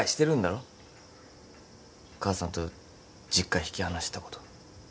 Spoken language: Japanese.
母さんと実家引き離したこと。